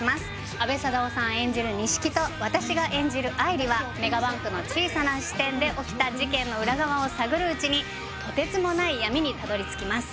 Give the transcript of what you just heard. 阿部サダヲさん演じる西木と私が演じる愛理はメガバンクの小さな支店で起きた事件の裏側を探るうちにとてつもない闇にたどり着きます